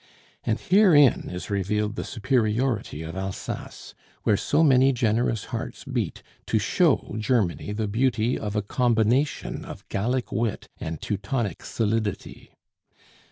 And herein is revealed the superiority of Alsace, where so many generous hearts beat to show Germany the beauty of a combination of Gallic wit and Teutonic solidity.